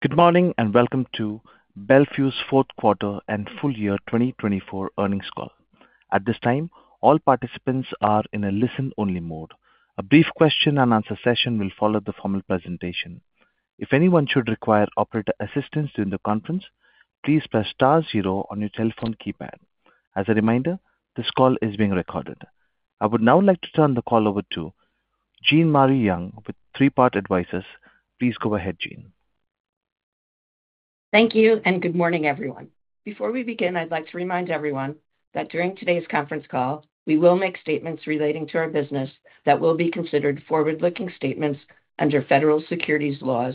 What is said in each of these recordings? Good morning and welcome to Bel Fuse Fourth Quarter and Full Year 2024 Earnings Call. At this time, all participants are in a listen-only mode. A brief question-and-answer session will follow the formal presentation. If anyone should require operator assistance during the conference, please press star zero on your telephone keypad. As a reminder, this call is being recorded. I would now like to turn the call over to Jean Marie Young with Three Part Advisors. Please go ahead, Jean. Thank you and good morning, everyone. Before we begin, I'd like to remind everyone that during today's conference call, we will make statements relating to our business that will be considered forward-looking statements under federal securities laws,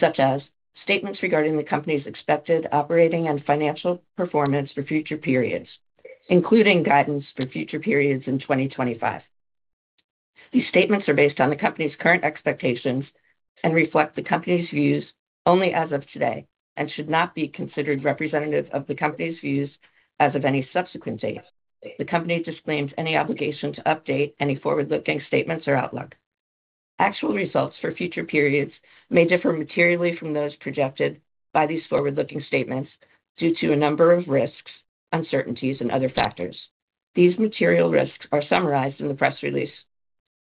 such as statements regarding the company's expected operating and financial performance for future periods, including guidance for future periods in 2025. These statements are based on the company's current expectations and reflect the company's views only as of today and should not be considered representative of the company's views as of any subsequent date. The company disclaims any obligation to update any forward-looking statements or outlook. Actual results for future periods may differ materially from those projected by these forward-looking statements due to a number of risks, uncertainties, and other factors. These material risks are summarized in the press release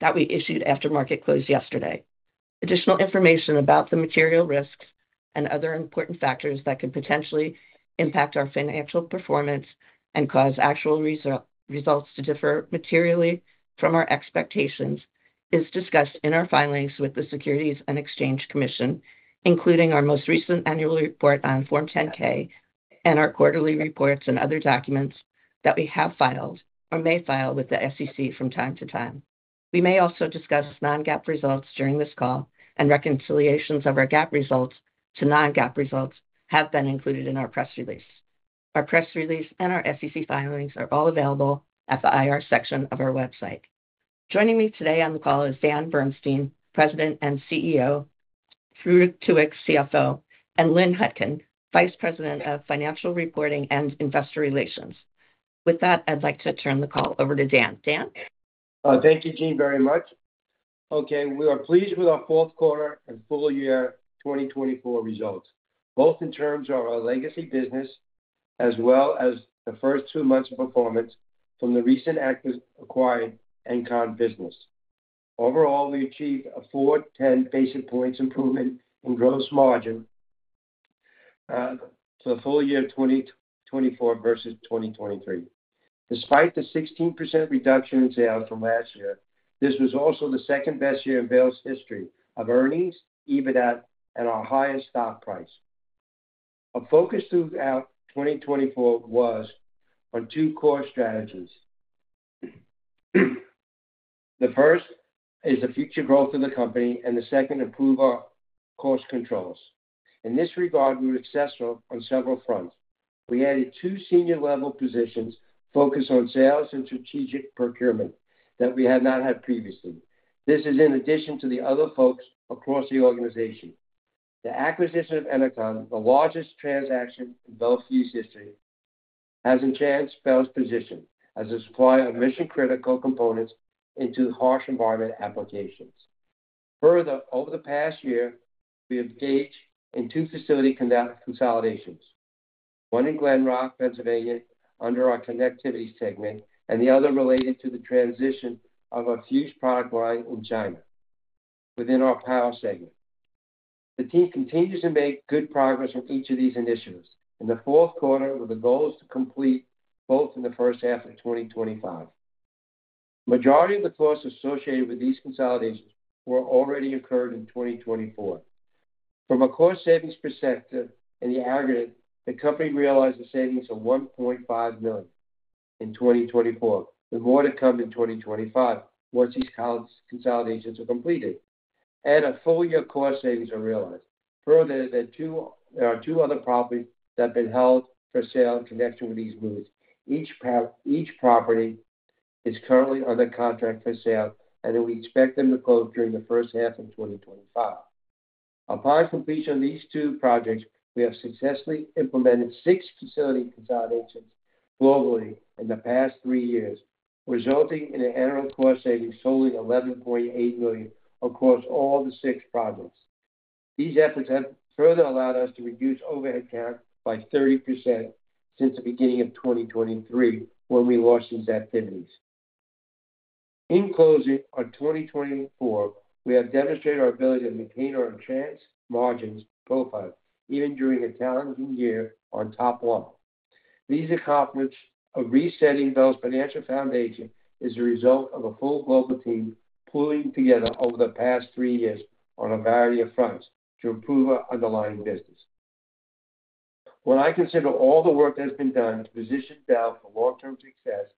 that we issued after market close yesterday. Additional information about the material risks and other important factors that could potentially impact our financial performance and cause actual results to differ materially from our expectations is discussed in our filings with the Securities and Exchange Commission, including our most recent annual report on Form 10-K and our quarterly reports and other documents that we have filed or may file with the SEC from time to time. We may also discuss non-GAAP results during this call, and reconciliations of our GAAP results to non-GAAP results have been included in our press release. Our press release and our SEC filings are all available at the IR section of our website. Joining me today on the call is Dan Bernstein, President and CEO, Farouq Tuweiq, CFO, and Lynn Hutkin, Vice President of Financial Reporting and Investor Relations. With that, I'd like to turn the call over to Dan. Dan? Thank you, Jean, very much. Okay, we are pleased with our fourth quarter and full year 2024 results, both in terms of our legacy business as well as the first two months of performance from the recent acquisition of Enercon. Overall, we achieved a 410 basis points improvement in gross margin for the full year 2024 versus 2023. Despite the 16% reduction in sales from last year, this was also the second best year in Bel's history of earnings, EBITDA, and our highest stock price. Our focus throughout 2024 was on two core strategies. The first is the future growth of the company, and the second, improve our cost controls. In this regard, we were successful on several fronts. We added two senior-level positions focused on sales and strategic procurement that we had not had previously. This is in addition to the other folks across the organization. The acquisition of Enercon, the largest transaction in Bel Fuse history, has enhanced Bel's position as a supplier of mission-critical components into harsh environment applications. Further, over the past year, we have engaged in two facility consolidations, one in Glen Rock, Pennsylvania, under our connectivity segment, and the other related to the transition of our Fuse product line in China within our power segment. The team continues to make good progress on each of these initiatives in the fourth quarter, with the goals to complete both in the first half of 2025. The majority of the costs associated with these consolidations were already incurred in 2024. From a cost savings perspective and the aggregate, the company realized a savings of $1.5 million in 2024, with more to come in 2025 once these consolidations are completed, and a full year of cost savings are realized. Further, there are two other properties that have been held for sale in connection with these moves. Each property is currently under contract for sale, and we expect them to close during the first half of 2025. Upon completion of these two projects, we have successfully implemented six facility consolidations globally in the past three years, resulting in an annual cost savings totaling $11.8 million across all the six projects. These efforts have further allowed us to reduce overhead count by 30% since the beginning of 2023 when we launched these activities. In closing, in 2024, we have demonstrated our ability to maintain our enhanced margins profile even during a challenging year on top line. These accomplishments of resetting Bel's financial foundation are the result of a full global team pulling together over the past three years on a variety of fronts to improve our underlying business. When I consider all the work that has been done to position Bel for long-term success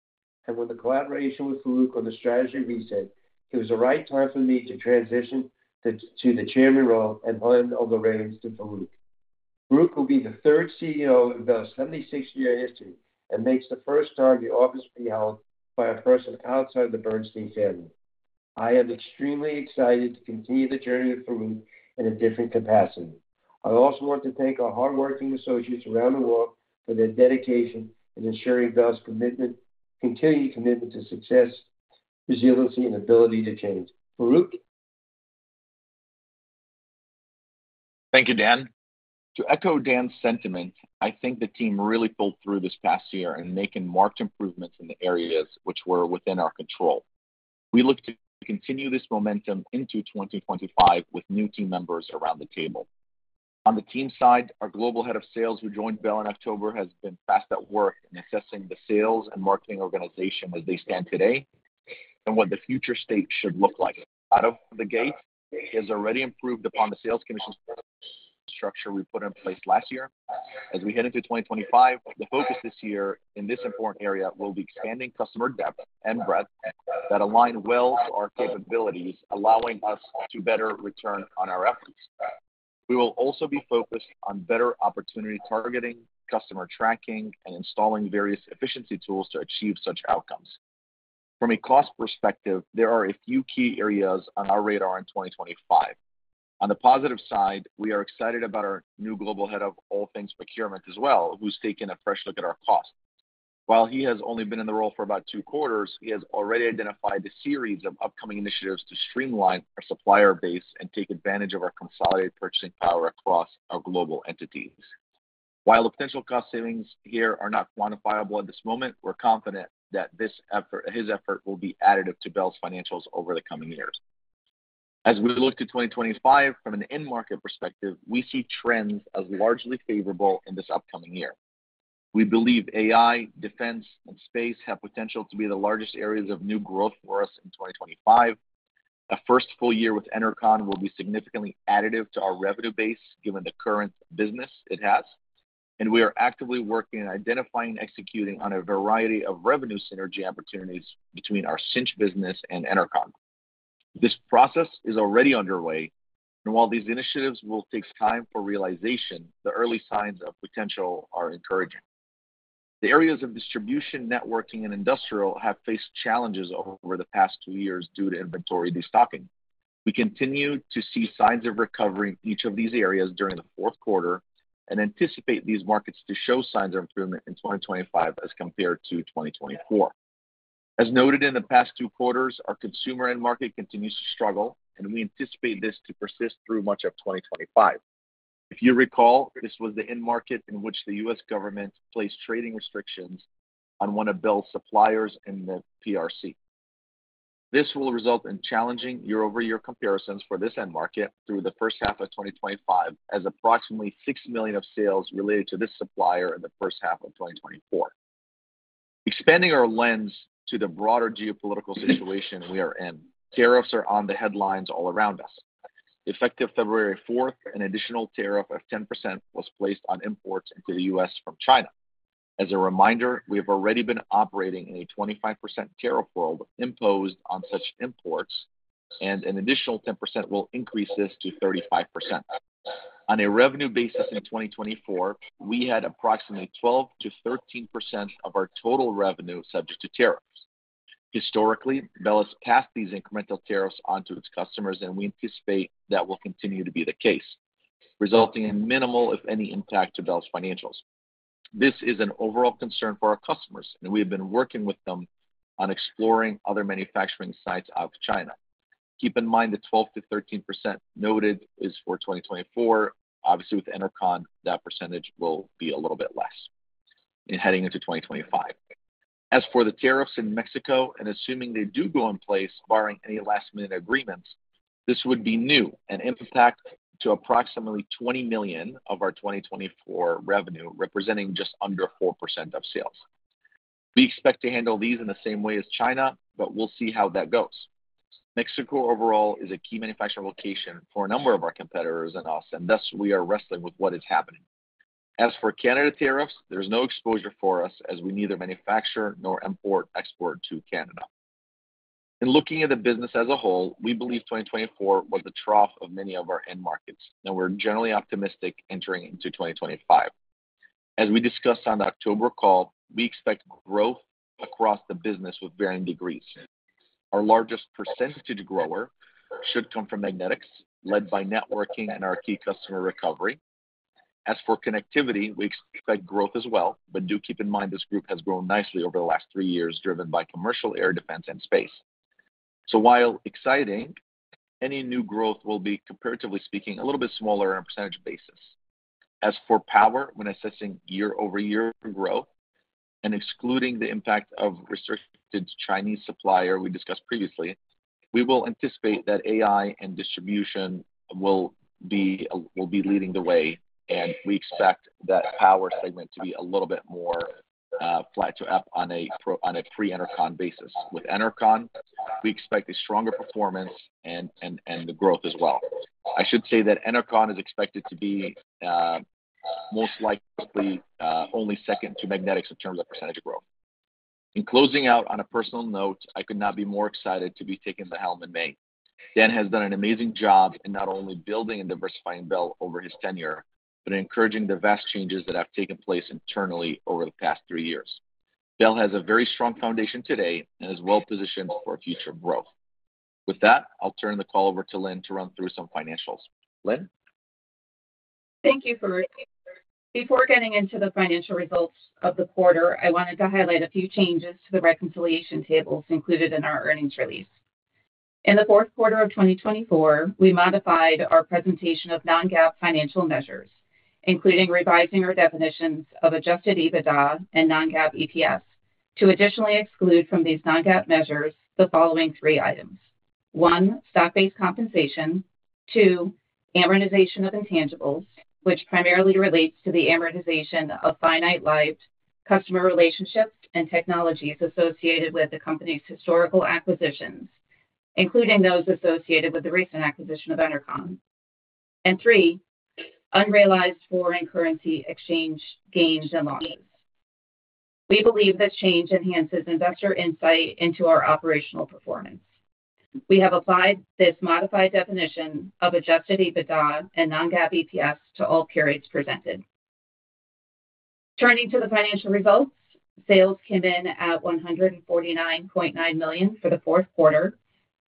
and with the collaboration with Farouq on the strategy reset, it was the right time for me to transition to the chairman role and hand over reins to Farouq. Farouq will be the third CEO in Bel's 76-year history and makes the first time the office will be held by a person outside the Bernstein family. I am extremely excited to continue the journey with Farouq in a different capacity. I also want to thank our hardworking associates around the world for their dedication in ensuring Bel's continued commitment to success, resiliency, and ability to change. Farouq? Thank you, Dan. To echo Dan's sentiment, I think the team really pulled through this past year in making marked improvements in the areas which were within our control. We look to continue this momentum into 2025 with new team members around the table. On the team side, our global head of sales, who joined Bel in October, has been fast at work in assessing the sales and marketing organization as they stand today and what the future state should look like. Out of the gate, he has already improved upon the sales commission structure we put in place last year. As we head into 2025, the focus this year in this important area will be expanding customer depth and breadth that align well to our capabilities, allowing us to better return on our efforts. We will also be focused on better opportunity targeting, customer tracking, and installing various efficiency tools to achieve such outcomes. From a cost perspective, there are a few key areas on our radar in 2025. On the positive side, we are excited about our new global head of all things procurement as well, who's taken a fresh look at our cost. While he has only been in the role for about two quarters, he has already identified a series of upcoming initiatives to streamline our supplier base and take advantage of our consolidated purchasing power across our global entities. While the potential cost savings here are not quantifiable at this moment, we're confident that his effort will be additive to Bel's financials over the coming years. As we look to 2025 from an end market perspective, we see trends as largely favorable in this upcoming year. We believe AI, defense, and space have potential to be the largest areas of new growth for us in 2025. A first full year with Enercon will be significantly additive to our revenue base given the current business it has, and we are actively working and identifying and executing on a variety of revenue synergy opportunities between our Cinch business and Enercon. This process is already underway, and while these initiatives will take time for realization, the early signs of potential are encouraging. The areas of distribution, networking, and industrial have faced challenges over the past two years due to inventory destocking. We continue to see signs of recovery in each of these areas during the fourth quarter and anticipate these markets to show signs of improvement in 2025 as compared to 2024. As noted in the past two quarters, our consumer end market continues to struggle, and we anticipate this to persist through much of 2025. If you recall, this was the end market in which the U.S. government placed trading restrictions on one of Bel's suppliers in the PRC. This will result in challenging year-over-year comparisons for this end market through the first half of 2025, as approximately $6 million of sales related to this supplier in the first half of 2024. Expanding our lens to the broader geopolitical situation we are in, tariffs are on the headlines all around us. Effective February 4th, an additional tariff of 10% was placed on imports into the U.S. from China. As a reminder, we have already been operating in a 25% tariff world imposed on such imports, and an additional 10% will increase this to 35%. On a revenue basis in 2024, we had approximately 12%-13% of our total revenue subject to tariffs. Historically, Bel has passed these incremental tariffs onto its customers, and we anticipate that will continue to be the case, resulting in minimal, if any, impact to Bel's financials. This is an overall concern for our customers, and we have been working with them on exploring other manufacturing sites out of China. Keep in mind the 12%-13% noted is for 2024. Obviously, with Enercon, that percentage will be a little bit less in heading into 2025. As for the tariffs in Mexico, and assuming they do go in place, barring any last-minute agreements, this would be new and impact to approximately $20 million of our 2024 revenue, representing just under 4% of sales. We expect to handle these in the same way as China, but we'll see how that goes. Mexico overall is a key manufacturing location for a number of our competitors in U.S., and thus we are wrestling with what is happening. As for Canada tariffs, there's no exposure for us, as we neither manufacture nor import or export to Canada. In looking at the business as a whole, we believe 2024 was the trough of many of our end markets, and we're generally optimistic entering into 2025. As we discussed on the October call, we expect growth across the business with varying degrees. Our largest percentage grower should come from magnetics, led by networking and our key customer recovery. As for connectivity, we expect growth as well, but do keep in mind this group has grown nicely over the last three years, driven by commercial air, defense, and space. So while exciting, any new growth will be, comparatively speaking, a little bit smaller on a percentage basis. As for power, when assessing year-over-year growth and excluding the impact of restricted Chinese supplier we discussed previously, we will anticipate that AI and distribution will be leading the way, and we expect that power segment to be a little bit more flat to up on a pre-Enercon basis. With Enercon, we expect a stronger performance and the growth as well. I should say that Enercon is expected to be most likely only second to magnetics in terms of percentage growth. In closing out on a personal note, I could not be more excited to be taking the helm in May. Dan has done an amazing job in not only building and diversifying Bel over his tenure, but in encouraging the vast changes that have taken place internally over the past three years. Bel has a very strong foundation today and is well positioned for future growth. With that, I'll turn the call over to Lynn to run through some financials. Lynn? Thank you, Farouq. Before getting into the financial results of the quarter, I wanted to highlight a few changes to the reconciliation tables included in our earnings release. In the fourth quarter of 2024, we modified our presentation of non-GAAP financial measures, including revising our definitions of adjusted EBITDA and non-GAAP EPS to additionally exclude from these non-GAAP measures the following three items: one, stock-based compensation; two, amortization of intangibles, which primarily relates to the amortization of finite-life customer relationships and technologies associated with the company's historical acquisitions, including those associated with the recent acquisition of Enercon; and three, unrealized foreign currency exchange gains and losses. We believe this change enhances investor insight into our operational performance. We have applied this modified definition of adjusted EBITDA and non-GAAP EPS to all periods presented. Turning to the financial results, sales came in at $149.9 million for the fourth quarter,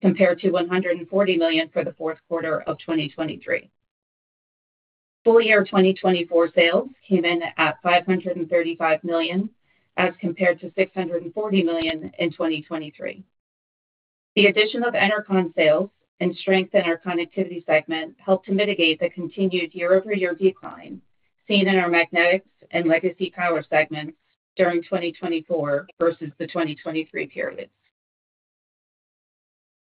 compared to $140 million for the fourth quarter of 2023. Full year 2024 sales came in at $535 million, as compared to $640 million in 2023. The addition of Enercon sales and strength in our connectivity segment helped to mitigate the continued year-over-year decline seen in our magnetics and legacy power segments during 2024 versus the 2023 periods.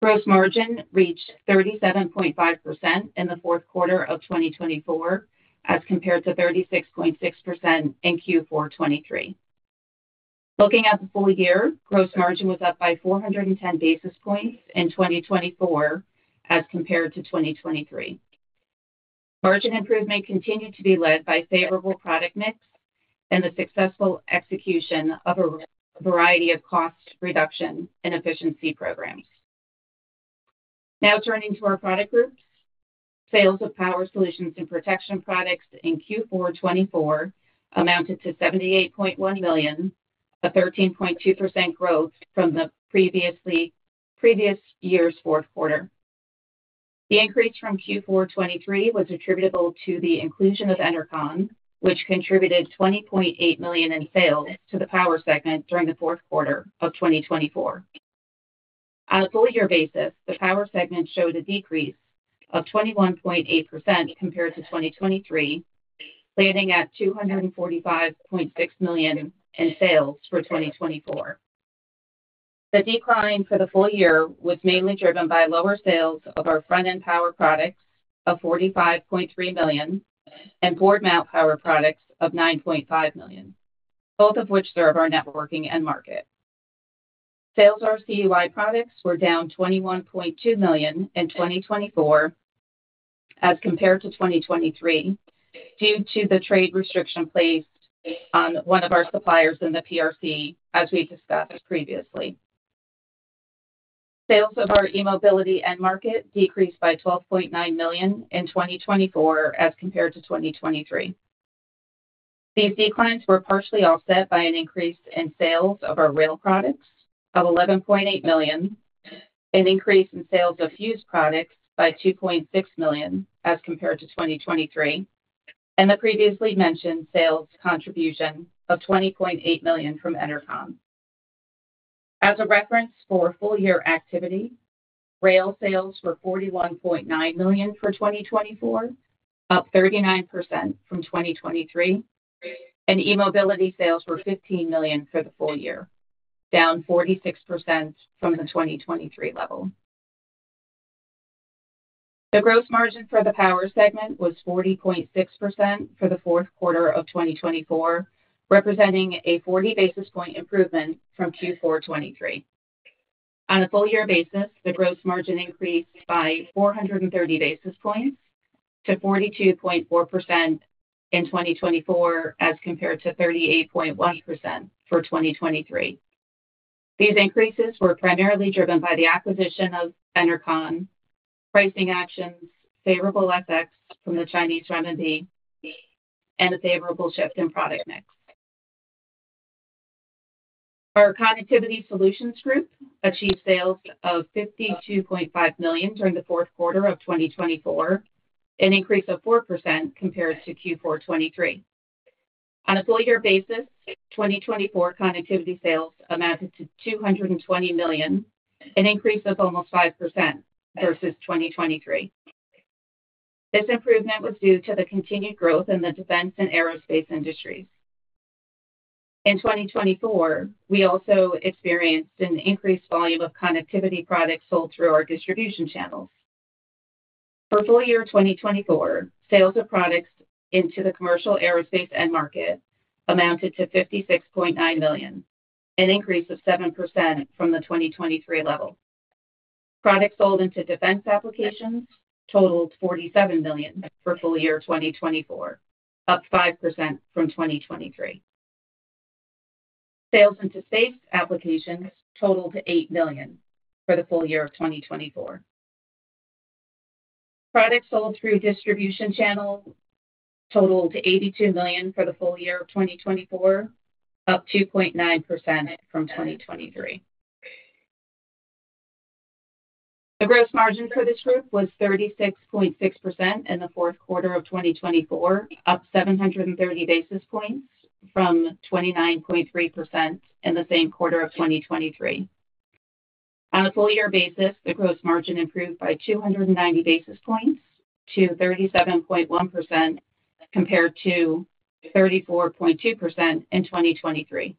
Gross margin reached 37.5% in the fourth quarter of 2024, as compared to 36.6% in Q4 2023. Looking at the full year, gross margin was up by 410 basis points in 2024, as compared to 2023. Margin improvement continued to be led by favorable product mix and the successful execution of a variety of cost reduction and efficiency programs. Now turning to our product groups, sales of Power Solutions and Protection products in Q4 2024 amounted to $78.1 million, a 13.2% growth from the previous year's fourth quarter. The increase from Q4 2023 was attributable to the inclusion of Enercon, which contributed $20.8 million in sales to the power segment during the fourth quarter of 2024. On a full year basis, the power segment showed a decrease of 21.8% compared to 2023, landing at $245.6 million in sales for 2024. The decline for the full year was mainly driven by lower sales of our front-end power products of $45.3 million and board-mount power products of $9.5 million, both of which serve our networking end market. Sales of our CUI products were down $21.2 million in 2024, as compared to 2023, due to the trade restriction placed on one of our suppliers in the PRC, as we discussed previously. Sales of our e-mobility end market decreased by $12.9 million in 2024, as compared to 2023. These declines were partially offset by an increase in sales of our rail products of $11.8 million, an increase in sales of fuse products by $2.6 million as compared to 2023, and the previously mentioned sales contribution of $20.8 million from Enercon. As a reference for full year activity, rail sales were $41.9 million for 2024, up 39% from 2023, and e-mobility sales were $15 million for the full year, down 46% from the 2023 level. The gross margin for the power segment was 40.6% for the fourth quarter of 2024, representing a 40 basis point improvement from Q4 2023. On a full year basis, the gross margin increased by 430 basis points to 42.4% in 2024, as compared to 38.1% for 2023. These increases were primarily driven by the acquisition of Enercon, pricing actions, favorable effects from the Chinese remedy, and a favorable shift in product mix. Our Connectivity Solutions group achieved sales of $52.5 million during the fourth quarter of 2024, an increase of 4% compared to Q4 2023. On a full year basis, 2024 Connectivity Solutions sales amounted to $220 million, an increase of almost 5% versus 2023. This improvement was due to the continued growth in the defense and aerospace industries. In 2024, we also experienced an increased volume of Connectivity Solutions products sold through our distribution channels. For full year 2024, sales of products into the commercial aerospace end market amounted to $56.9 million, an increase of 7% from the 2023 level. Products sold into defense applications totaled $47 million for full year 2024, up 5% from 2023. Sales into space applications totaled $8 million for the full year of 2024. Products sold through distribution channels totaled $82 million for the full year of 2024, up 2.9% from 2023. The gross margin for this group was 36.6% in the fourth quarter of 2024, up 730 basis points from 29.3% in the same quarter of 2023. On a full year basis, the gross margin improved by 290 basis points to 37.1% compared to 34.2% in 2023.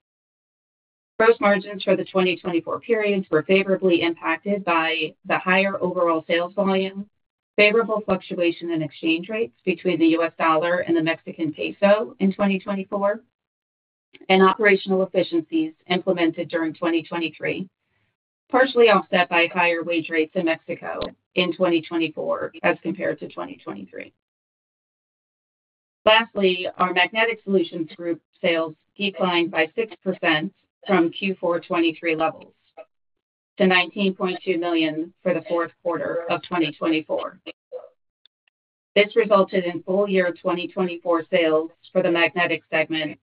Gross margins for the 2024 periods were favorably impacted by the higher overall sales volume, favorable fluctuation in exchange rates between the U.S. dollar and the Mexican peso in 2024, and operational efficiencies implemented during 2023, partially offset by higher wage rates in Mexico in 2024 as compared to 2023. Lastly, our Magnetic Solutions group sales declined by 6% from Q4 2023 levels to $19.2 million for the fourth quarter of 2024. This resulted in full year 2024 sales for the magnetic segment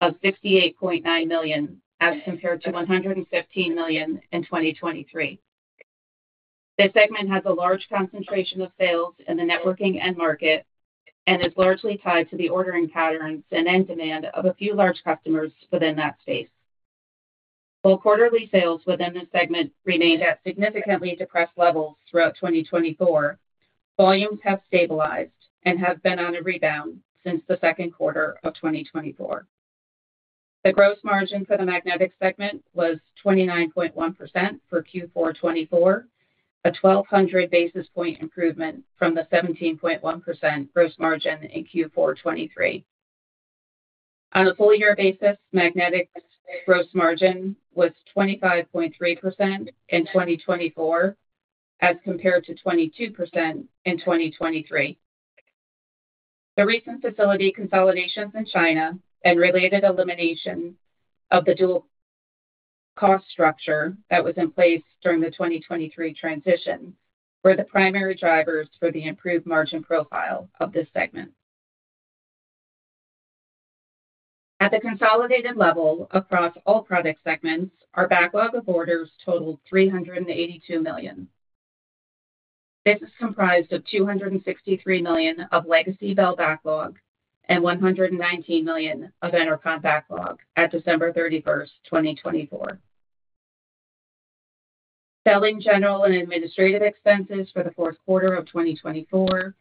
of $68.9 million as compared to $115 million in 2023. This segment has a large concentration of sales in the networking end market and is largely tied to the ordering patterns and end demand of a few large customers within that space. While quarterly sales within this segment remained at significantly depressed levels throughout 2024, volumes have stabilized and have been on a rebound since the second quarter of 2024. The gross margin for the magnetic segment was 29.1% for Q4 2024, a 1,200 basis point improvement from the 17.1% gross margin in Q4 2023. On a full year basis, magnetic gross margin was 25.3% in 2024, as compared to 22% in 2023. The recent facility consolidations in China and related elimination of the dual-cost structure that was in place during the 2023 transition were the primary drivers for the improved margin profile of this segment. At the consolidated level across all product segments, our backlog of orders totaled $382 million. This is comprised of $263 million of legacy Bel backlog and $119 million of Enercon backlog at December 31st, 2024. Selling general and administrative expenses for the fourth quarter of 2024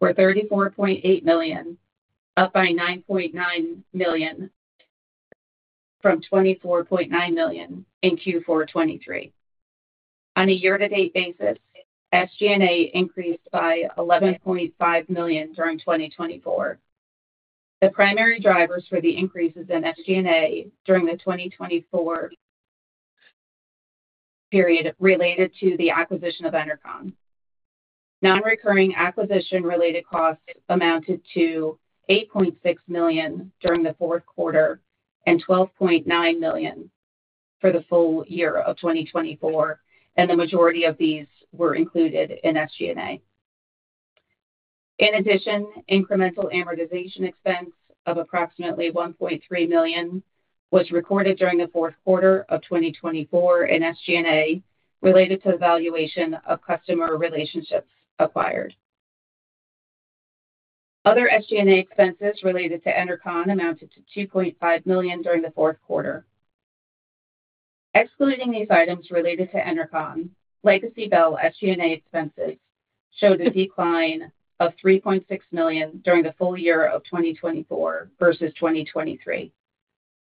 were $34.8 million, up by $9.9 million from $24.9 million in Q4 2023. On a year-to-date basis, SG&A increased by $11.5 million during 2024. The primary drivers for the increases in SG&A during the 2024 period related to the acquisition of Enercon. Non-recurring acquisition-related costs amounted to $8.6 million during the fourth quarter and $12.9 million for the full year of 2024, and the majority of these were included in SG&A. In addition, incremental amortization expense of approximately $1.3 million was recorded during the fourth quarter of 2024 in SG&A related to the valuation of customer relationships acquired. Other SG&A expenses related to Enercon amounted to $2.5 million during the fourth quarter. Excluding these items related to Enercon, legacy Bel SG&A expenses showed a decline of $3.6 million during the full year of 2024 versus 2023.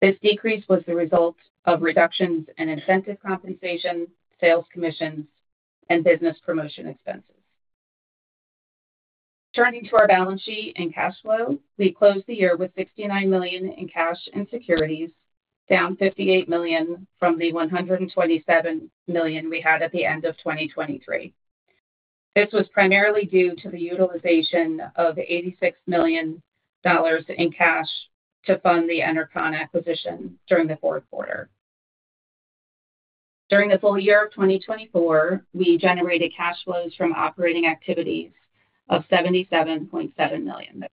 This decrease was the result of reductions in incentive compensation, sales commissions, and business promotion expenses. Turning to our balance sheet and cash flow, we closed the year with $69 million in cash and securities, down $58 million from the $127 million we had at the end of 2023. This was primarily due to the utilization of $86 million in cash to fund the Enercon acquisition during the fourth quarter. During the full year of 2024, we generated cash flows from operating activities of $77.7 million.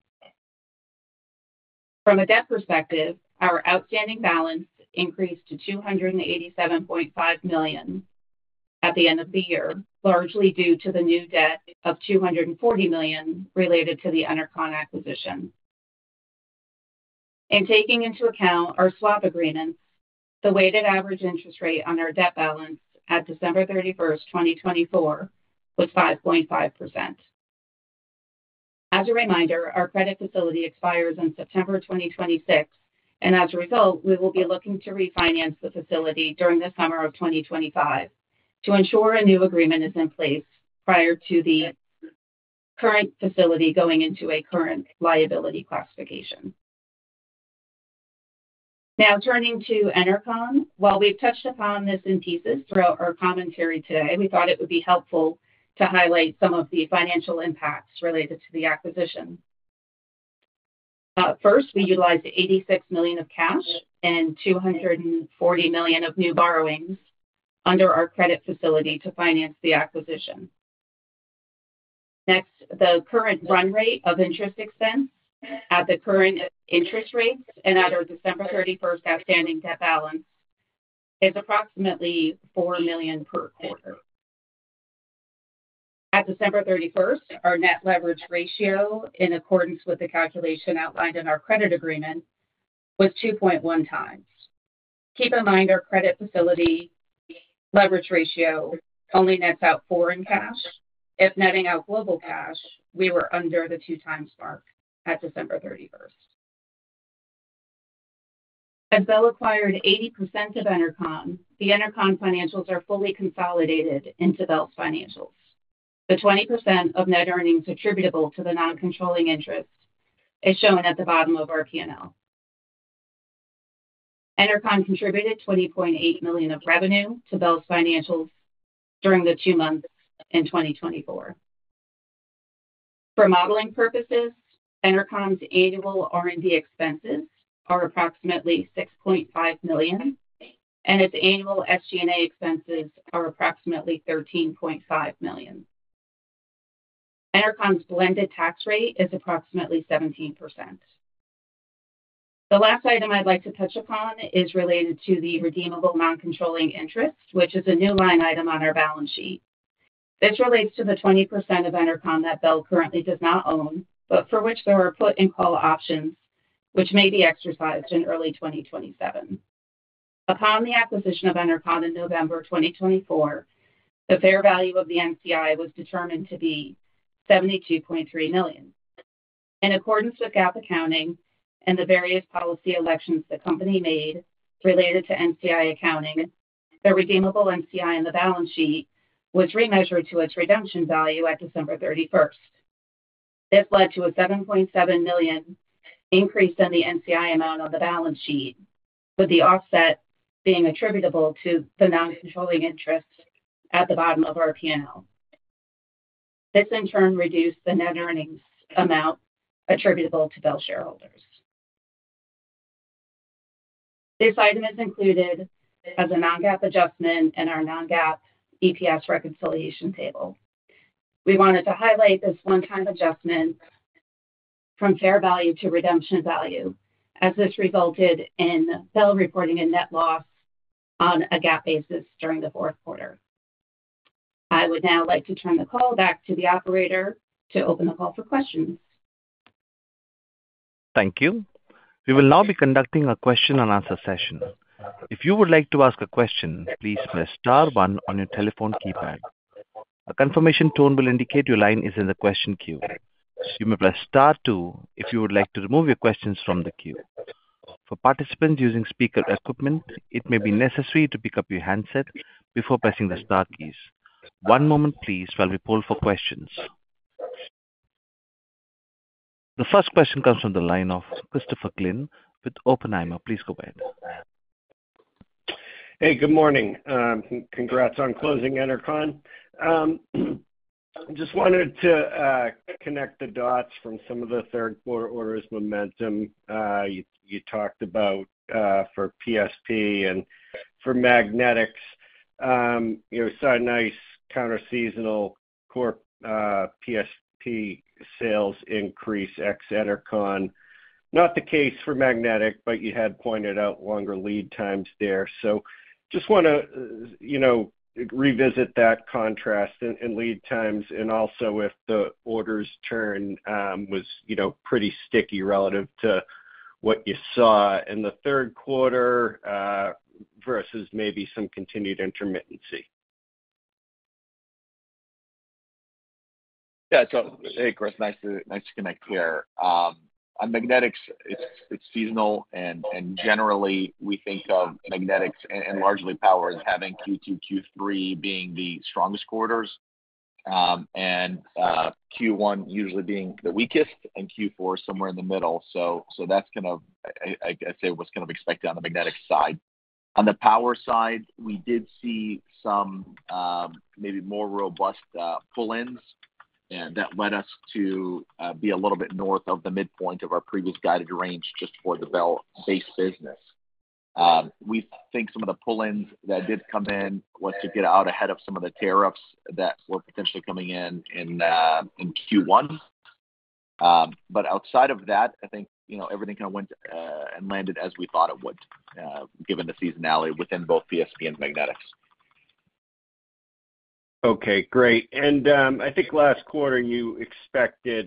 From a debt perspective, our outstanding balance increased to $287.5 million at the end of the year, largely due to the new debt of $240 million related to the Enercon acquisition. In taking into account our swap agreements, the weighted average interest rate on our debt balance at December 31st, 2024, was 5.5%. As a reminder, our credit facility expires in September 2026, and as a result, we will be looking to refinance the facility during the summer of 2025 to ensure a new agreement is in place prior to the current facility going into a current liability classification. Now turning to Enercon, while we've touched upon this in pieces throughout our commentary today, we thought it would be helpful to highlight some of the financial impacts related to the acquisition. First, we utilized $86 million of cash and $240 million of new borrowings under our credit facility to finance the acquisition. Next, the current run rate of interest expense at the current interest rates and at our December 31st outstanding debt balance is approximately $4 million per quarter. At December 31st, our net leverage ratio, in accordance with the calculation outlined in our credit agreement, was 2.1 times. Keep in mind our credit facility leverage ratio only nets out $4 million in cash. If netting out global cash, we were under the 2x mark at December 31st. As Bel acquired 80% of Enercon, the Enercon financials are fully consolidated into Bel's financials. The 20% of net earnings attributable to the non-controlling interest is shown at the bottom of our P&L. Enercon contributed $20.8 million of revenue to Bel's financials during the two months in 2024. For modeling purposes, Enercon's annual R&D expenses are approximately $6.5 million, and its annual SG&A expenses are approximately $13.5 million. Enercon's blended tax rate is approximately 17%. The last item I'd like to touch upon is related to the redeemable non-controlling interest, which is a new line item on our balance sheet. This relates to the 20% of Enercon that Bel currently does not own, but for which there are put and call options which may be exercised in early 2027. Upon the acquisition of Enercon in November 2024, the fair value of the NCI was determined to be $72.3 million. In accordance with GAAP accounting and the various policy elections the company made related to NCI accounting, the redeemable NCI in the balance sheet was remeasured to its redemption value at December 31st. This led to a $7.7 million increase in the NCI amount on the balance sheet, with the offset being attributable to the non-controlling interest at the bottom of our P&L. This, in turn, reduced the net earnings amount attributable to Bel shareholders. This item is included as a non-GAAP adjustment in our non-GAAP EPS reconciliation table. We wanted to highlight this one-time adjustment from fair value to redemption value, as this resulted in Bel reporting a net loss on a GAAP basis during the fourth quarter. I would now like to turn the call back to the operator to open the call for questions. Thank you. We will now be conducting a question-and-answer session. If you would like to ask a question, please press Star 1 on your telephone keypad. A confirmation tone will indicate your line is in the question queue. You may press Star 2 if you would like to remove your questions from the queue. For participants using speaker equipment, it may be necessary to pick up your handset before pressing the Star keys. One moment, please, while we poll for questions. The first question comes from the line of Christopher Glynn with Oppenheimer. Please go ahead. Hey, good morning. Congrats on closing Enercon. I just wanted to connect the dots from some of the third-quarter orders momentum you talked about for PSP and for magnetics. You saw a nice counter-seasonal core PSP sales increase ex-Enercon. Not the case for magnetic, but you had pointed out longer lead times there. So just want to revisit that contrast in lead times and also if the orders turn was pretty sticky relative to what you saw in the third quarter versus maybe some continued intermittency. Yeah. Hey, Chris. Nice to connect here. On magnetics, it's seasonal, and generally, we think of magnetics and largely power as having Q2, Q3 being the strongest quarters and Q1 usually being the weakest and Q4 somewhere in the middle. So that's kind of, I'd say, what's kind of expected on the magnetic side. On the power side, we did see some maybe more robust pull-ins that led us to be a little bit north of the midpoint of our previous guided range just for the Bel-based business. We think some of the pull-ins that did come in was to get out ahead of some of the tariffs that were potentially coming in in Q1. But outside of that, I think everything kind of went and landed as we thought it would, given the seasonality within both PSP and magnetics. Okay. Great. I think last quarter, you expected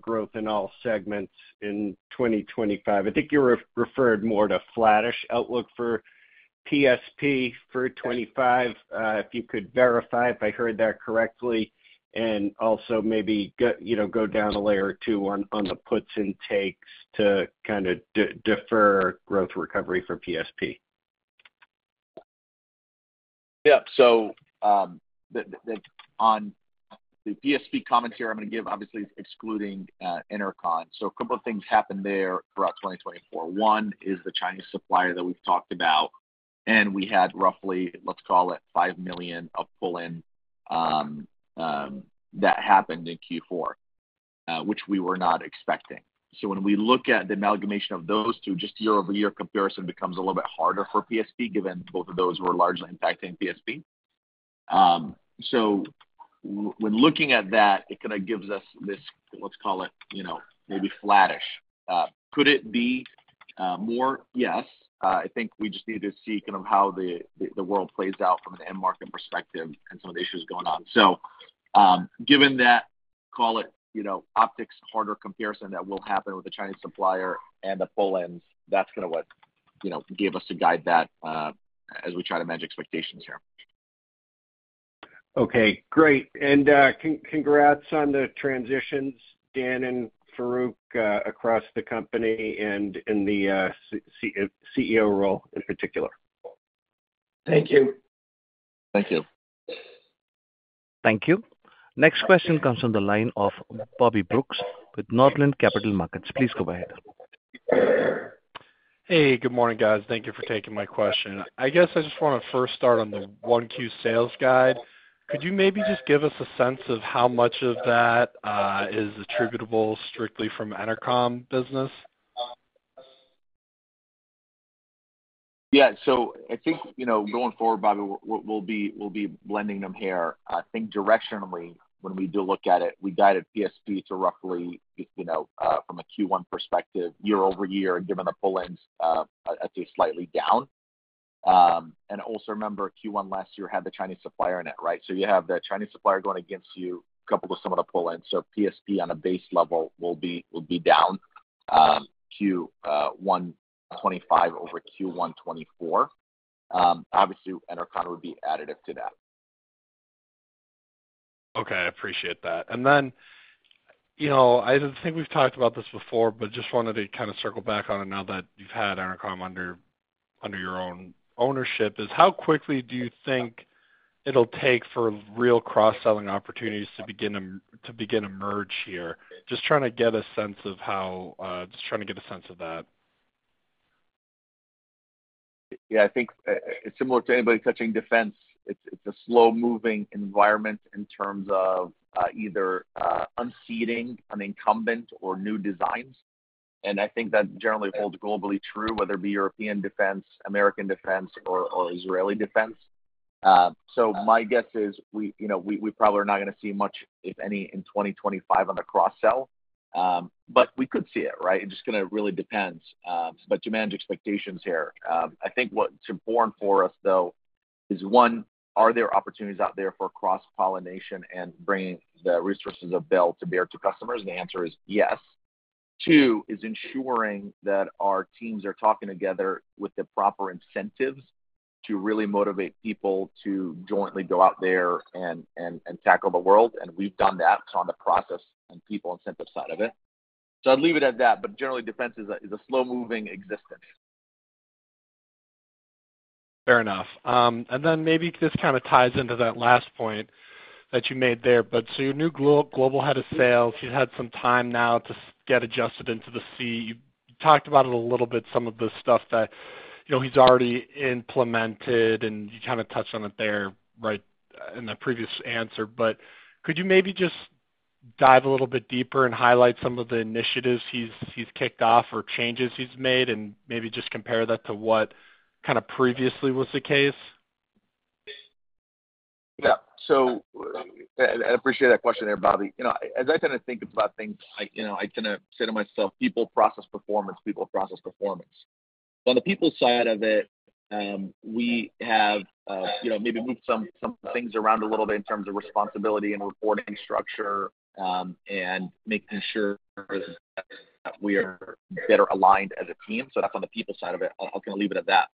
growth in all segments in 2025. I think you referred more to a flattish outlook for PSP for 2025, if you could verify if I heard that correctly, and also maybe go down a layer or two on the puts and takes to kind of defer growth recovery for PSP. Yeah. On the PSP commentary I'm going to give, obviously, excluding Enercon. A couple of things happened there throughout 2024. One is the Chinese supplier that we've talked about, and we had roughly, let's call it, $5 million of pull-ins that happened in Q4, which we were not expecting. When we look at the amalgamation of those two, just year-over-year comparison becomes a little bit harder for PSP, given both of those were largely impacting PSP. So when looking at that, it kind of gives us this, let's call it, maybe flattish. Could it be more? Yes. I think we just need to see kind of how the world plays out from an end market perspective and some of the issues going on. So given that, call it, optics harder comparison that will happen with the Chinese supplier and the pull-ins, that's kind of what gave us a guide back as we try to manage expectations here. Okay. Great. And congrats on the transitions, Dan and Farouq, across the company and in the CEO role in particular. Thank you. Thank you. Thank you. Next question comes from the line of Bobby Brooks with Northland Capital Markets. Please go ahead. Hey, good morning, guys. Thank you for taking my question. I guess I just want to first start on the Q1 sales guide. Could you maybe just give us a sense of how much of that is attributable strictly from Enercon business? Yeah. So I think going forward, Bobby, we'll be blending them here. I think directionally, when we do look at it, we guided PSP to roughly, from a Q1 perspective, year-over-year, and given the pull-ins, I'd say slightly down. Also remember, Q1 last year had the Chinese supplier in it, right? So you have the Chinese supplier going against you coupled with some of the pull-ins. PSP on a base level will be down Q1 2025 over Q1 2024. Obviously, Enercon would be additive to that. Okay. I appreciate that. Then I think we've talked about this before, but just wanted to kind of circle back on it now that you've had Enercon under your own ownership. How quickly do you think it'll take for real cross-selling opportunities to begin to emerge here? Just trying to get a sense of that. Yeah. I think similar to anybody touching defense, it's a slow-moving environment in terms of either unseating an incumbent or new designs. And I think that generally holds globally true, whether it be European defense, American defense, or Israeli defense. So my guess is we probably are not going to see much, if any, in 2025 on the cross-sell. But we could see it, right? It just kind of really depends. But to manage expectations here, I think what's important for us, though, is one, are there opportunities out there for cross-pollination and bringing the resources of Bel to bear to customers? And the answer is yes. Two is ensuring that our teams are talking together with the proper incentives to really motivate people to jointly go out there and tackle the world, and we've done that on the process and people incentive side of it, so I'd leave it at that, but generally, defense is a slow-moving existence. Fair enough, and then maybe this kind of ties into that last point that you made there, but so your new global head of sales, he's had some time now to get adjusted into the seat. You talked about it a little bit, some of the stuff that he's already implemented, and you kind of touched on it there right in the previous answer. But could you maybe just dive a little bit deeper and highlight some of the initiatives he's kicked off or changes he's made and maybe just compare that to what kind of previously was the case? Yeah. So I appreciate that question there, Bobby. As I tend to think about things, I tend to say to myself, people process performance, people process performance. On the people side of it, we have maybe moved some things around a little bit in terms of responsibility and reporting structure and making sure that we are better aligned as a team. So that's on the people side of it. I'll kind of leave it at that.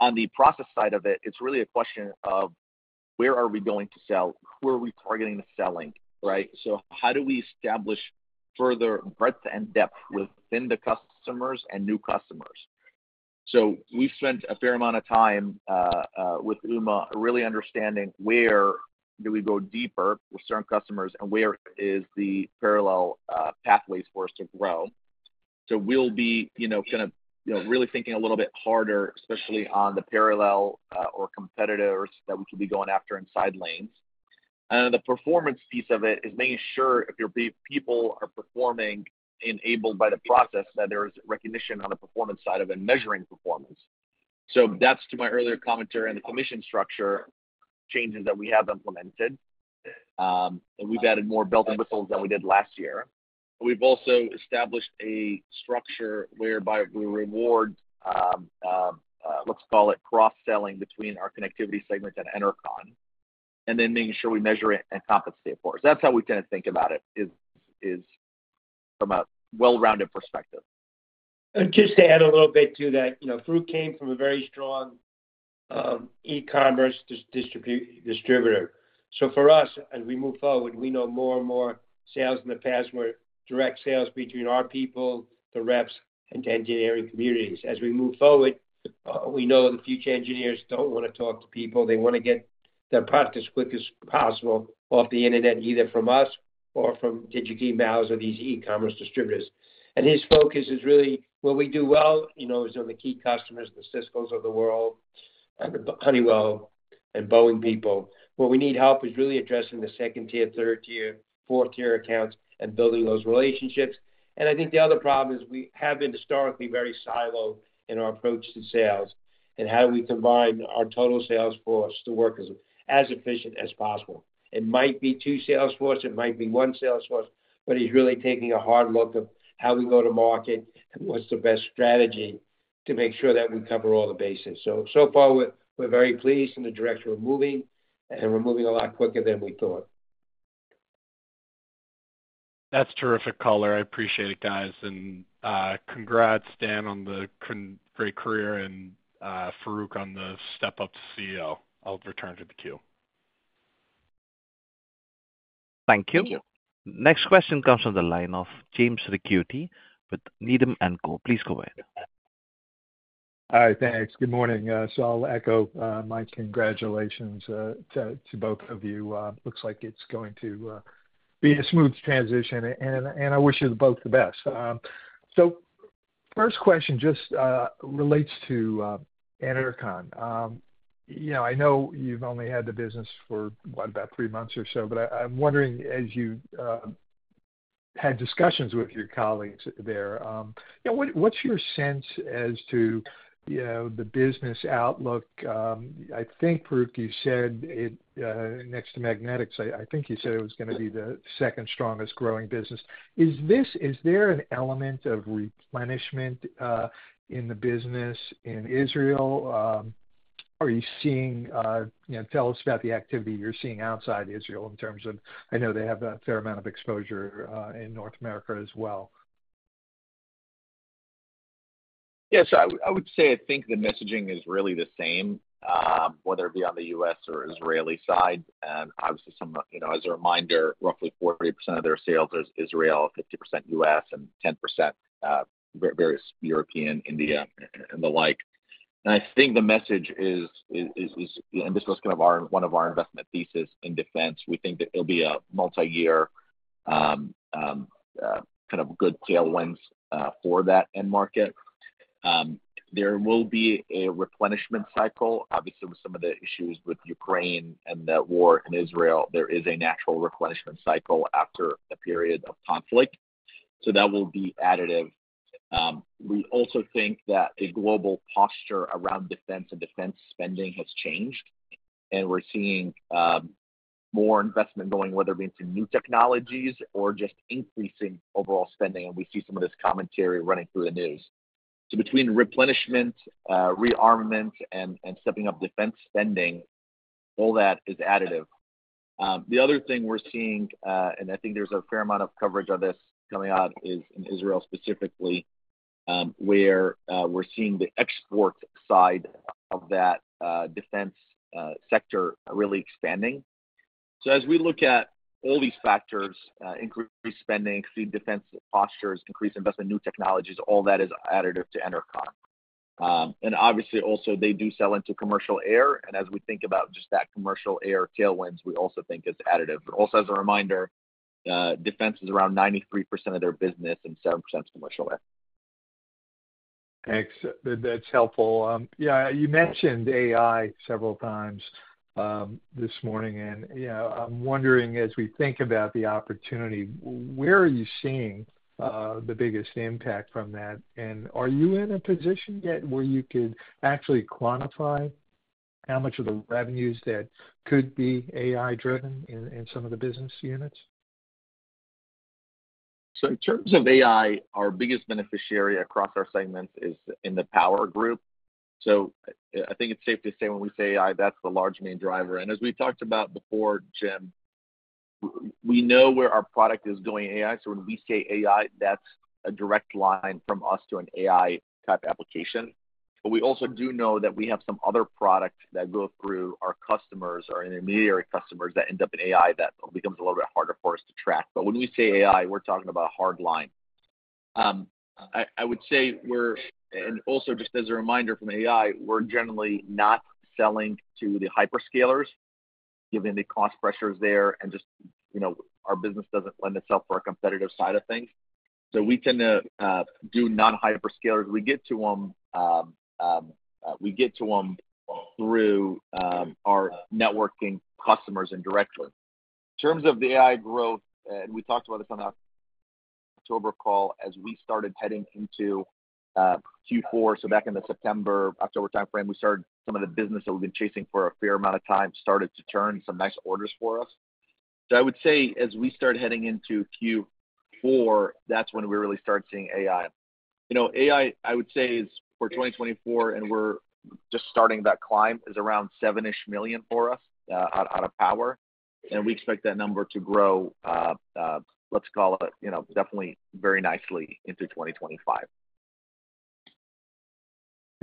On the process side of it, it's really a question of where are we going to sell? Who are we targeting the selling, right? So, how do we establish further breadth and depth within the customers and new customers? So we've spent a fair amount of time with Uma really understanding where do we go deeper with certain customers and where is the parallel pathways for us to grow. So we'll be kind of really thinking a little bit harder, especially on the parallel or competitors that we could be going after in side lanes. And the performance piece of it is making sure if your people are performing enabled by the process that there is recognition on the performance side of it and measuring performance. So that's to my earlier commentary on the commission structure changes that we have implemented. And we've added more bells and whistles than we did last year. We've also established a structure whereby we reward, let's call it, cross-selling between our connectivity segments at Enercon and then making sure we measure it and compensate for it. So that's how we tend to think about it from a well-rounded perspective. Just to add a little bit to that, Farouq came from a very strong e-commerce distributor. So for us, as we move forward, we know more and more sales in the past were direct sales between our people, the reps, and engineering communities. As we move forward, we know the future engineers don't want to talk to people. They want to get their practice as quick as possible off the internet, either from us or from Digi-Key, Mouser, or these e-commerce distributors. And his focus is really, what we do well is on the key customers, the Ciscos of the world, Honeywell, and Boeing people. What we need help is really addressing the second tier, third tier, fourth tier accounts and building those relationships. And I think the other problem is we have been historically very siloed in our approach to sales and how we combine our total sales force to work as efficient as possible. It might be two sales forces. It might be one sales force, but he's really taking a hard look of how we go to market and what's the best strategy to make sure that we cover all the bases. So far, we're very pleased in the direction we're moving, and we're moving a lot quicker than we thought. That's terrific, caller. I appreciate it, guys. And congrats, Dan, on the great career and Farouq on the step-up to CEO. I'll return to the queue. Thank you. Next question comes from the line of James Ricchiuti with Needham & Co. Please go ahead. Hi. Thanks. Good morning. So I'll echo my congratulations to both of you. Looks like it's going to be a smooth transition, and I wish you both the best. So first question just relates to Enercon. I know you've only had the business for about three months or so, but I'm wondering, as you had discussions with your colleagues there, what's your sense as to the business outlook? I think, Farouq, you said next to magnetics, I think you said it was going to be the second strongest growing business. Is there an element of replenishment in the business in Israel? Are you seeing? Tell us about the activity you're seeing outside Israel in terms of I know they have a fair amount of exposure in North America as well. Yes. I would say I think the messaging is really the same, whether it be on the U.S. or Israeli side. And obviously, as a reminder, roughly 40% of their sales is Israel, 50% U.S., and 10% various European, India, and the like. And I think the message is, and this was kind of one of our investment theses in defense, we think that there'll be a multi-year kind of good tailwinds for that end market. There will be a replenishment cycle. Obviously, with some of the issues with Ukraine and the war in Israel, there is a natural replenishment cycle after a period of conflict. So that will be additive. We also think that a global posture around defense and defense spending has changed, and we're seeing more investment going, whether it be into new technologies or just increasing overall spending. And we see some of this commentary running through the news. So between replenishment, rearmament, and stepping up defense spending, all that is additive. The other thing we're seeing, and I think there's a fair amount of coverage on this coming out in Israel specifically, where we're seeing the export side of that defense sector really expanding. So as we look at all these factors, increased spending, see defense postures, increased investment, new technologies, all that is additive to Enercon. And obviously, also, they do sell into commercial air. And as we think about just that commercial air tailwinds, we also think it's additive. Also, as a reminder, defense is around 93% of their business and 7% of commercial air. Thanks. That's helpful. Yeah. You mentioned AI several times this morning, and I'm wondering, as we think about the opportunity, where are you seeing the biggest impact from that? Are you in a position yet where you could actually quantify how much of the revenues that could be AI-driven in some of the business units? So in terms of AI, our biggest beneficiary across our segments is in the power group. So I think it's safe to say when we say AI, that's the large main driver. And as we talked about before, Jim, we know where our product is going AI. So when we say AI, that's a direct line from us to an AI-type application. But we also do know that we have some other products that go through our customers, our intermediary customers that end up in AI that becomes a little bit harder for us to track. But when we say AI, we're talking about a hard line. I would say we're, and also, just as a reminder from AI, we're generally not selling to the hyperscalers given the cost pressures there. Our business doesn't lend itself for our competitive side of things. We tend to do non-hyperscalers. We get to them through our networking customers indirectly. In terms of the AI growth, we talked about this on our October call as we started heading into Q4. Back in the September, October timeframe, we started some of the business that we've been chasing for a fair amount of time started to turn some nice orders for us. I would say as we started heading into Q4, that's when we really started seeing AI. AI, I would say, is for 2024, and we're just starting that climb, is around $7 million for us out of power. We expect that number to grow, let's call it, definitely very nicely into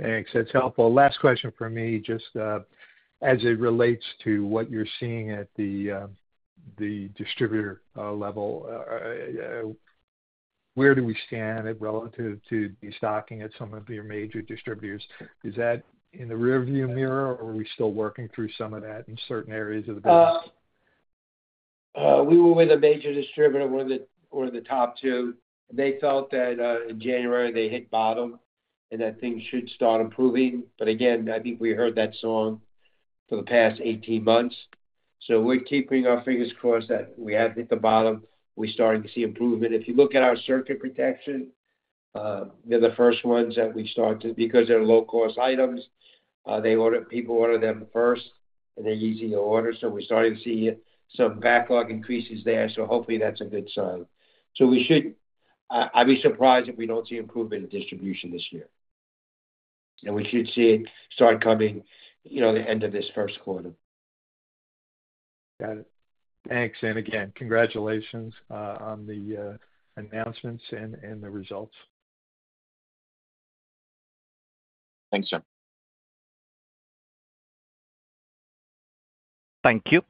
2025. Thanks. That's helpful. Last question for me, just as it relates to what you're seeing at the distributor level, where do we stand relative to the stocking at some of your major distributors? Is that in the rearview mirror, or are we still working through some of that in certain areas of the business? We were with a major distributor, one of the top two. They felt that in January, they hit bottom and that things should start improving. But again, I think we heard that song for the past 18 months. So we're keeping our fingers crossed that we have hit the bottom. We're starting to see improvement. If you look at our circuit protection, they're the first ones that we start to because they're low-cost items. People order them first, and they're easy to order. So we're starting to see some backlog increases there. So hopefully, that's a good sign. So I'd be surprised if we don't see improvement in distribution this year. And we should see it start coming the end of this first quarter. Got it. Thanks. And again, congratulations on the announcements and the results. Thanks, sir. Thank you.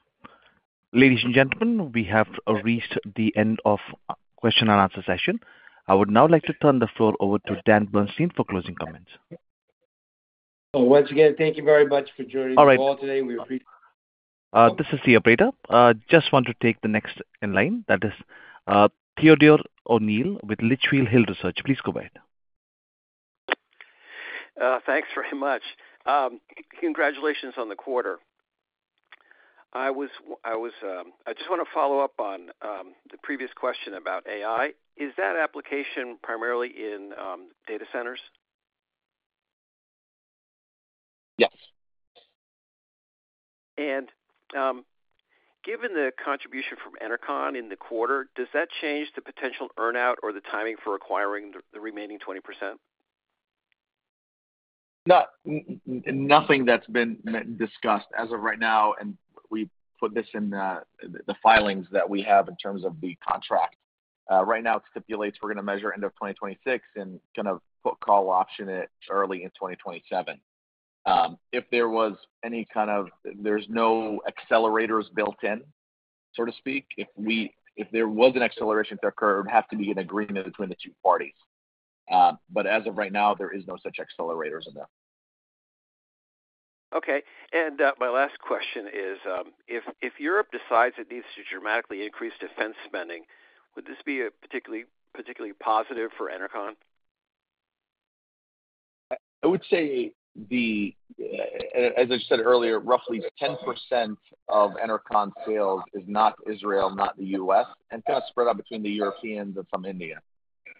Ladies and gentlemen, we have reached the end of the question and answer session. I would now like to turn the floor over to Dan Bernstein for closing comments. Once again, thank you very much for joining the call today. We appreciate it. This is Theodore O'Neill. Just want to take the next in line. That is Theodore O'Neill with Litchfield Hills Research. Please go ahead. Thanks very much. Congratulations on the quarter. I just want to follow up on the previous question about AI. Is that application primarily in data centers? Yes. And given the contribution from Enercon in the quarter, does that change the potential earnout or the timing for acquiring the remaining 20%? Nothing that's been discussed as of right now, and we put this in the filings that we have in terms of the contract. Right now, it stipulates we're going to measure end of 2026 and kind of put-call option in early 2027. There's no accelerators built in, so to speak. If there was an acceleration to occur, it would have to be an agreement between the two parties. But as of right now, there is no such accelerators in there. Okay. My last question is, if Europe decides it needs to dramatically increase defense spending, would this be particularly positive for Enercon? I would say, as I said earlier, roughly 10% of Enercon sales is not Israel, not the U.S., and kind of spread out between the Europeans and some India.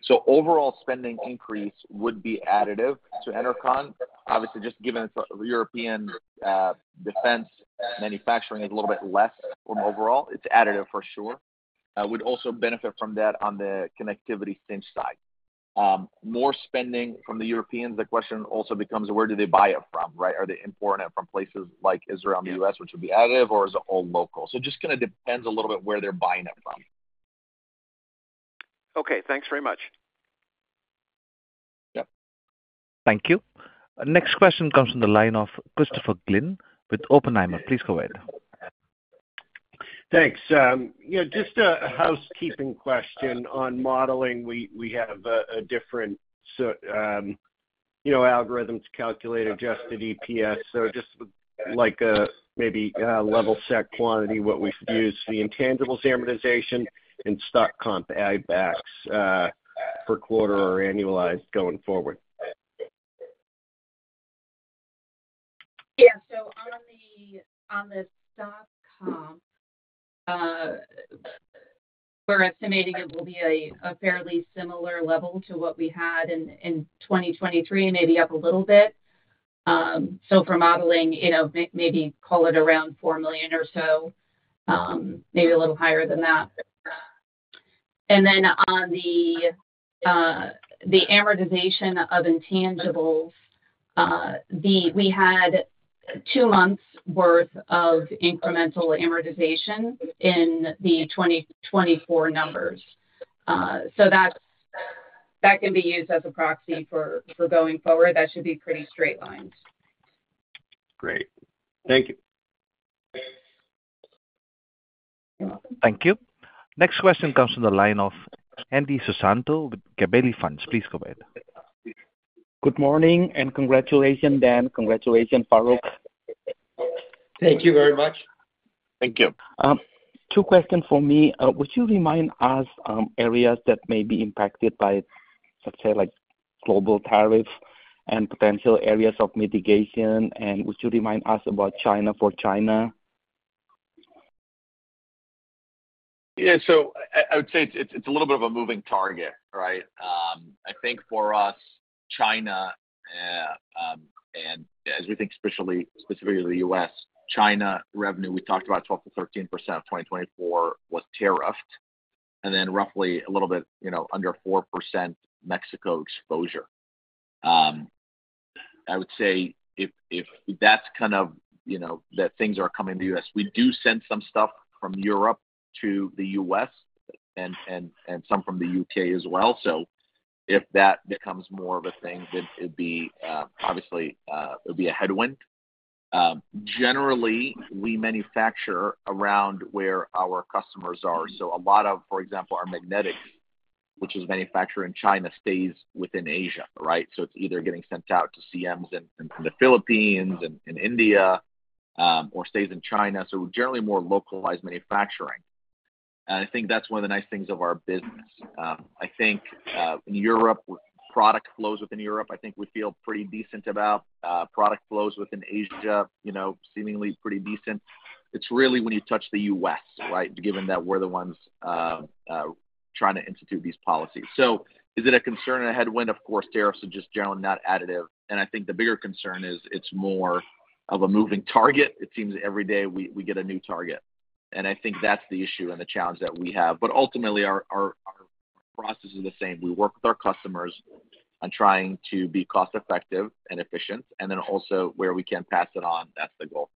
So overall spending increase would be additive to Enercon. Obviously, just given the European defense manufacturing is a little bit less from overall, it is additive for sure. It would also benefit from that on the connectivity segment side. More spending from the Europeans, the question also becomes, where do they buy it from, right? Are they importing it from places like Israel and the U.S., which would be additive, or is it all local? So it just kind of depends a little bit where they are buying it from. Okay. Thanks very much. Yeah. Thank you. Next question comes from the line of Christopher Glynn with Oppenheimer. Please go ahead. Thanks. Just a housekeeping question. On modeling, we have a different algorithm to calculate adjusted EPS. So just like maybe level-set, quantify what we should use is the intangibles amortization and stock comp add-backs per quarter or annualized going forward. Yeah. So on the stock comp, we're estimating it will be a fairly similar level to what we had in 2023, maybe up a little bit. So for modeling, maybe call it around $4 million or so, maybe a little higher than that. And then on the amortization of intangibles, we had two months' worth of incremental amortization in the 2024 numbers. So that can be used as a proxy for going forward. That should be pretty straight-line. Great. Thank you. Thank you. Next question comes from the line of Hendi Susanto with Gabelli Funds. Please go ahead. Good morning. And congratulations, Dan. Congratulations, Farouq. Thank you very much. Thank you. Two questions for me. Would you remind us of areas that may be impacted by, let's say, global tariffs and potential areas of mitigation? And would you remind us about China for China? Yeah. So I would say it's a little bit of a moving target, right? I think for us, China, and as we think specifically of the U.S., China revenue, we talked about 12%-13% of 2024 was tariffed, and then roughly a little bit under 4% Mexico exposure. I would say if that's kind of that things are coming to the U.S., we do send some stuff from Europe to the U.S. and some from the U.K. as well. So if that becomes more of a thing, then it'd be obviously it would be a headwind. Generally, we manufacture around where our customers are. So a lot of, for example, our magnetics, which is manufactured in China, stays within Asia, right? So it's either getting sent out to CMs in the Philippines and India or stays in China. So we're generally more localized manufacturing. And I think that's one of the nice things of our business. I think in Europe, product flows within Europe. I think we feel pretty decent about. Product flows within Asia, seemingly pretty decent. It's really when you touch the U.S., right, given that we're the ones trying to institute these policies. So is it a concern or a headwind? Of course, tariffs are just generally not additive. And I think the bigger concern is it's more of a moving target. It seems every day we get a new target. And I think that's the issue and the challenge that we have. But ultimately, our process is the same. We work with our customers and trying to be cost-effective and efficient. And then also where we can pass it on, that's the goal.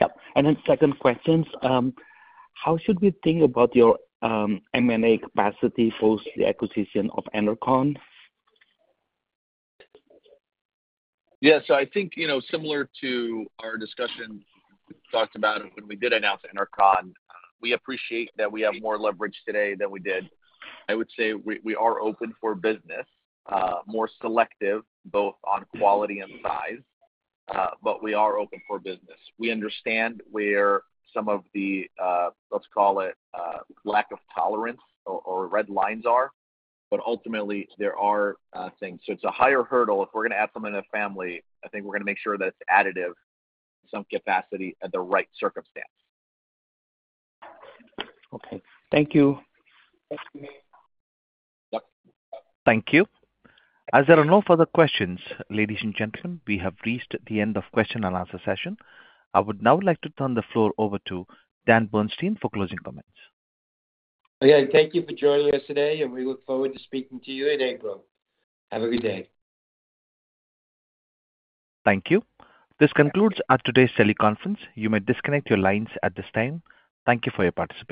Yep. And then second questions, how should we think about your M&A capacity for the acquisition of Enercon? Yeah. So I think similar to our discussion, we talked about it when we did announce Enercon. We appreciate that we have more leverage today than we did. I would say we are open for business, more selective both on quality and size, but we are open for business. We understand where some of the, let's call it, lack of tolerance or red lines are, but ultimately, there are things. So it's a higher hurdle if we're going to add someone in a family. I think we're going to make sure that it's additive in some capacity at the right circumstance. Okay. Thank you. Thank you. As there are no further questions, ladies and gentlemen, we have reached the end of the question and answer session. I would now like to turn the floor over to Dan Bernstein for closing comments. Again, thank you for joining us today, and we look forward to speaking to you in April. Have a good day. Thank you. This concludes today's teleconference. You may disconnect your lines at this time. Thank you for your participation.